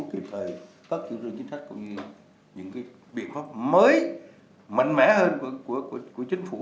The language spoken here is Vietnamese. kiểm soát các kiểu truyền chính xác những biện pháp mới mạnh mẽ hơn của chính phủ